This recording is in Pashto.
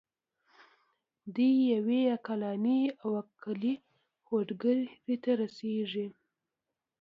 دوی یوې عقلاني او عقلایي هوکړې ته رسیږي.